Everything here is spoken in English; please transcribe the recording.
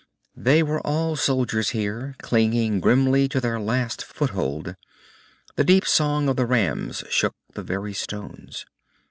They were all soldiers here, clinging grimly to their last foothold. The deep song of the rams shook the very stones.